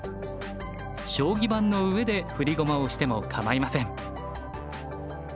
将棋盤の上で振り駒をしてもかまいません。